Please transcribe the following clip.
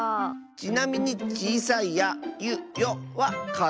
ちなみにちいさい「や」「ゆ」「よ」はかぞえない。